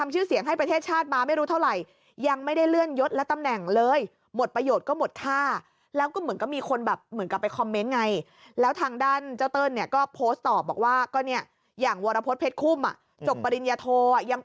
อ่าปีสองพันสี่เหรียญทองโอลิมปิกกรุงเอเทนเอสปีสองพันแปดเหรียญเงินโอลิมปิกกรุงปากกิง